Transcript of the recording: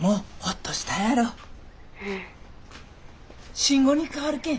信吾に代わるけん。